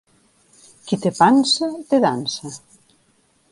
Qui té pansa, té dansa.